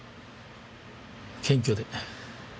謙虚で。